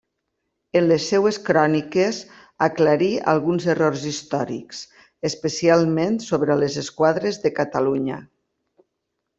En les seves cròniques aclarí alguns errors històrics, especialment sobre les Esquadres de Catalunya.